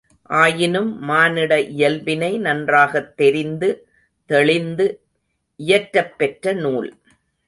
ஆயினும் மானிட இயல்பினை நன்றாகத் தெரிந்து, தெளிந்து இயற்றப்பெற்ற நூல்.